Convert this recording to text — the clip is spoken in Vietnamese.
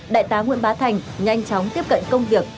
đại tá nguyễn bá thành nhanh chóng tiếp cận công việc